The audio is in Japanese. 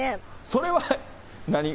それは、何？